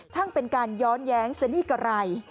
ทั้งเป็นการย้อนแย้งเสนี่กระไหร่